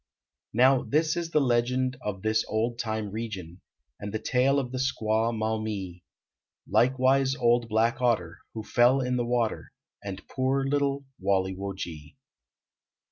Now, this is the legend Of this old time region, And the tale of the squaw Maumec, Likewise old Black Otter, Who fell in the water, And poor little Walle wo ge.